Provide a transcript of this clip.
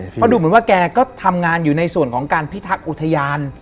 เพราะดูเหมือนว่าแกก็ทำงานอยู่ในส่วนของการพิทักษ์อุทยาน